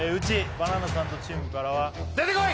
バナナサンドチームからは出てこい！